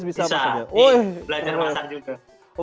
bisa belajar masak juga